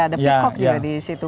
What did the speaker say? ada pilkok juga di situ